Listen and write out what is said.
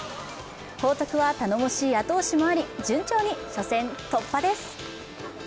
報徳は頼もしい後押しもあり順調に初戦突破です。